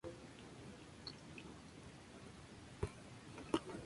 La última edición impresa, la octava, apareció en los años noventa.